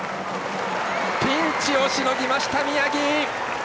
ピンチをしのぎました、宮城。